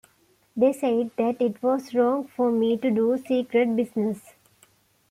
They said that it was wrong for me to do secret business.